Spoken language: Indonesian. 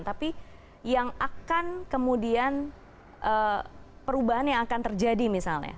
tapi yang akan kemudian perubahan yang akan terjadi misalnya